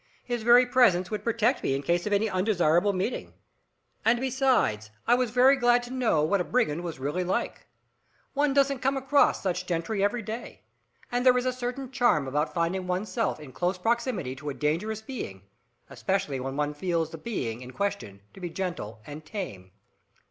His very presence would protect me in case of any undesirable meeting. And besides, I was very glad to know what a brigand was really like. One doesn't come across such gentry every day. And there is a certain charm about finding one's self in close proximity to a dangerous being, especially when one feels the being in question to be gentle and tame.